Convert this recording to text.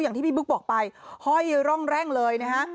อย่างที่พี่บุ๊กบอกไปห้อยร่องแร่งเลยนะฮะ